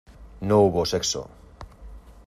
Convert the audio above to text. no hubo sexo.